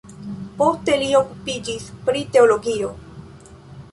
Poste li okupiĝis pri teologio.